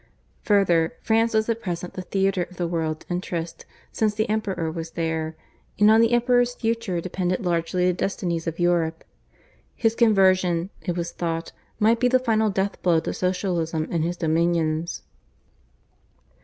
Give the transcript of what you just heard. Further, France was at present the theatre of the world's interest, since the Emperor was there, and on the Emperor's future depended largely the destinies of Europe: his conversion, it was thought, might be the final death blow to Socialism in his dominions.